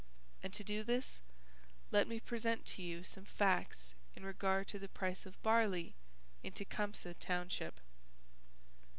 And to do this, let me present to you some facts in regard to the price of barley in Tecumseh Township."